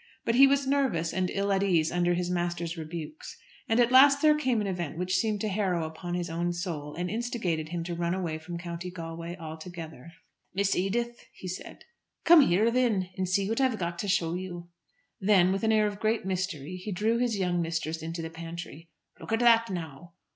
But he was nervous and ill at ease under his master's rebukes; and at last there came an event which seemed to harrow up his own soul, and instigated him to run away from County Galway altogether. "Miss Edith, Miss Edith," he said, "come in here, thin, and see what I have got to show you." Then, with an air of great mystery, he drew his young mistress into the pantry. "Look at that now!